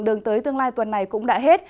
đường tới tương lai tuần này cũng đã hết